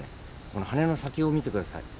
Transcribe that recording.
この羽の先を見てください。